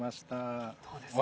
どうですか？